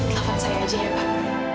telepon saya aja ya pak